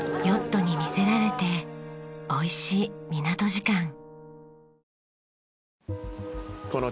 ヨットに魅せられておいしい港時間。